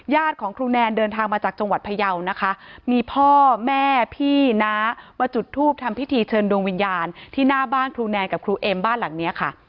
ของครูแนนเดินทางมาจากจังหวัดพยาวนะคะมีพ่อแม่พี่น้ามาจุดทูปทำพิธีเชิญดวงวิญญาณที่หน้าบ้านครูแนนกับครูเอ็มบ้านหลังเนี้ยค่ะ